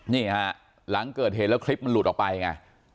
นี่ฮะหลังเกิดเหตุแล้วคลิปมันหลุดออกไปไง